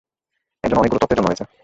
এর জন্য অনেকগুলো তত্ত্বের জন্ম হয়েছে।